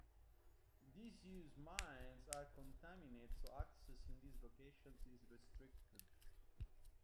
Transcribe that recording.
Disused mines are contaminated so access in these locations is restricted.